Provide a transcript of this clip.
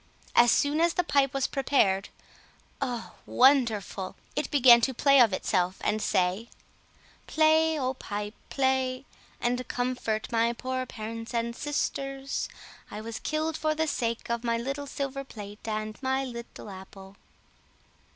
As soon as the pipe was prepared, oh, wonderful! It began to play of itself, and say— "Play, oh pipe, play! and comfort my poor parents and sisters. I was killed for the sake of my little silver plate and my little apple."